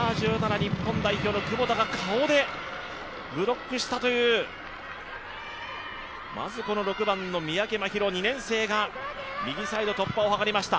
日本代表の久保田が顔でブロックしたという、まずこの６番の三宅万尋、２年生が右サイド突破を図りました。